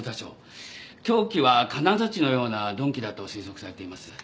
凶器は金づちのような鈍器だと推測されています。